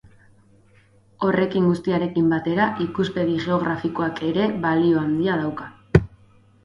Horrekin guztiarekin batera, ikuspegi geografikoak ere balio handia dauka.